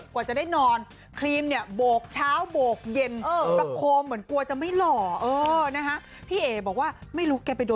คลั่งรักแล้วเกิด